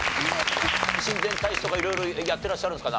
親善大使とか色々やってらっしゃるんですか？